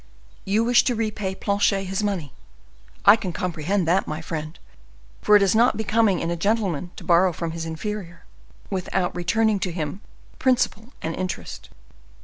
You wish to repay Planchet his money. I can comprehend that, my friend: for it is not becoming in a gentleman to borrow from his inferior, without returning to him principal and interest.